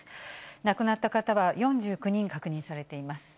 亡くなった方は４９人確認されています。